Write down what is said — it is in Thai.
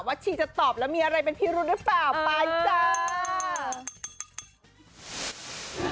ชีจะตอบแล้วมีอะไรเป็นพิรุธหรือเปล่าไปจ้า